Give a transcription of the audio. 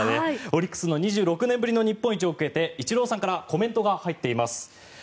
オリックスの２６年ぶりの日本一を受けてイチローさんからコメントが入っています。